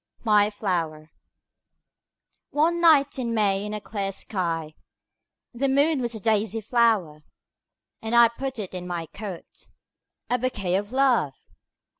My Flower ONE night in May in a clear skyThe moon was a daisy flower:And! put it in my coat,A bouquet of Love!